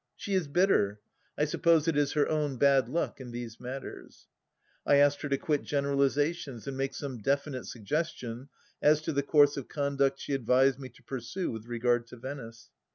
She is bitter. I suppose it is her own bad luck in these matters. ... I asked her to quit generalizations and make some definite suggestion as to the course of conduct she advised me to pursue with regard to Venice.